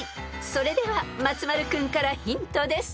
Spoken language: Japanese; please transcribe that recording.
［それでは松丸君からヒントです］